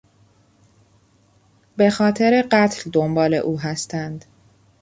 به خاطر قتل دنبال او هستند.